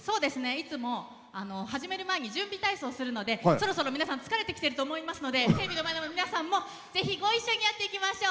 いつも始める前に準備体操するのでそろそろ皆さん疲れてきてると思うのでテレビの前の皆さんもご一緒にやっていきましょう。